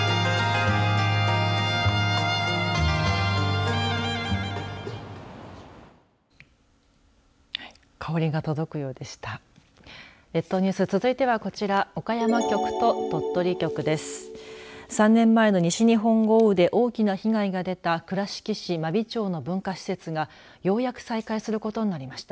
３年前の西日本豪雨で大きな被害が出た倉敷市真備町の文化施設がようやく再開することになりました。